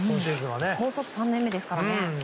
高卒３年目ですからね。